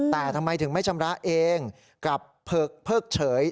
แต่ทำไมถึงไม่ชำระเองกลับเพิกเฉย